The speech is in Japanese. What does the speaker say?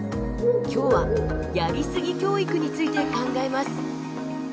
今日は「やりすぎ教育」について考えます。